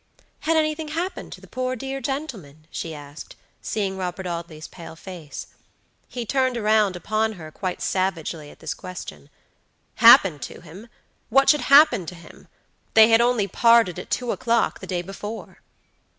"Had anything happened to the poor, dear gentleman?" she asked, seeing Robert Audley's pale face. He turned around upon her quite savagely at this question. Happened to him! What should happen to him? They had only parted at two o'clock the day before.